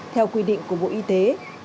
theo quy định của bộ y tế